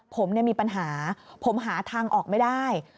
ผมมีปัญหาผมหาทางออกไม่ได้